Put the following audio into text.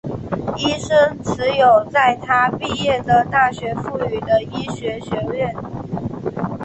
医生持有在他毕业的大学赋予的医学学位。